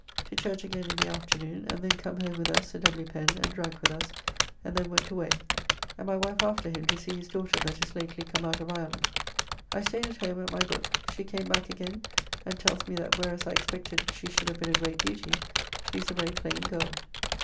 To church again in the afternoon, and then come home with us Sir W. Pen, and drank with us, and then went away, and my wife after him to see his daughter that is lately come out of Ireland. I staid at home at my book; she came back again and tells me that whereas I expected she should have been a great beauty, she is a very plain girl.